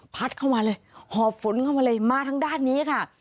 เข้ามาเลยหอบฝนเข้ามาเลยมาทางด้านนี้ค่ะ